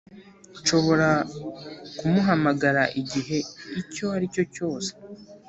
nshobora kumuhamagara igihe icyo aricyo cyose